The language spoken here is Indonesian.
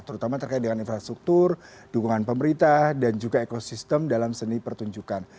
terutama terkait dengan infrastruktur dukungan pemerintah dan juga ekosistem dalam seni pertunjukan